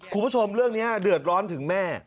คุณผู้ชมเรื่องนี้เดือดร้อนถึงแม่